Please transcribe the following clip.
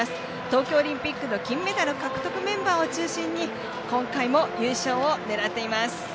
東京オリンピックの金メダル獲得メンバーを中心に今回も優勝を狙っています。